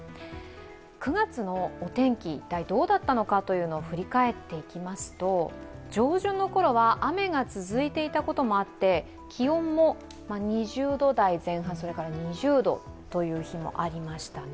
９月のお天気、一体どうだったのかというのを振り返っていきますと上旬のころは雨が続いていたこともあって、気温も２０度台前半、それから２０度という日もありましたね。